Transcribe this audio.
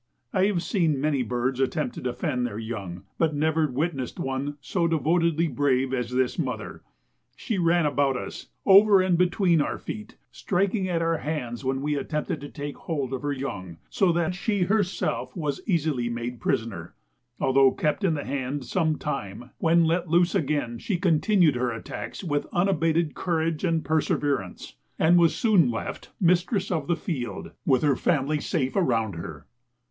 I have seen many birds attempt to defend their young, but never witnessed one so devotedly brave as this mother; she ran about us, over and between our feet, striking at our hands when we attempted to take hold of her young, so that she herself was easily made prisoner. Although kept in the hand some time, when let loose again she continued her attacks with unabated courage and perseverance, and was soon left mistress of the field, with her family safe around her.